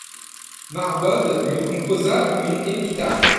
Marbode lui composa une épitaphe.